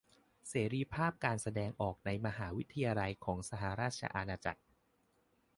เสรีภาพการแสดงออกในมหาวิทยาลัยของสหราชอาณาจักร